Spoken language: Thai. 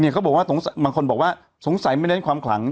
เขาบอกว่าบางคนบอกว่าสงสัยไม่เน้นความขลัง